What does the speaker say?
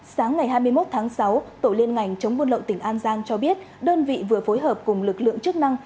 sáng ngày hai mươi một tháng sáu tổ liên ngành chống buôn lậu tỉnh an giang cho biết đơn vị vừa phối hợp cùng lực lượng chức năng